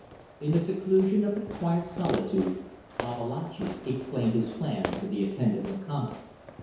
In the seclusion of its quiet solitude Babalatchi explained his plan to the attentive Lakamba.